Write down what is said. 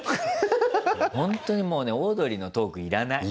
ほんとにもうねオードリーのトーク要らない。